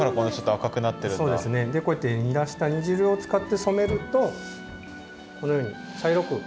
こうやって煮出した煮汁を使って染めるとこのように茶色く。